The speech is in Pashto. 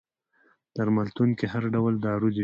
درملتون کي هر ډول دارو وي